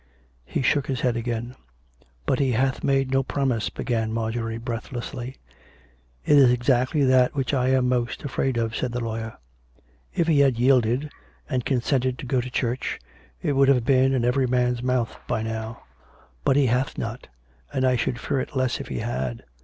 He shook his head again. " But he hath made no promise " began Marjorie breathlessly. " It is exactly that which I am most afraid of," said the lawyer. " If he had yielded, and consented to go to 248 COME RACK! COME ROPE! church, it would have been in every man's mouth by now. But he hath not, and I should fear it less if he had.